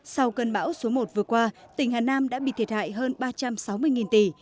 sau cơn bão số một vừa qua tỉnh hà nam đã bị thiệt hại hơn ba trăm sáu mươi tỷ